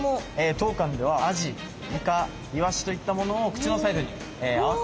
当館ではアジイカイワシといったものを口のサイズに合わせて与えてます。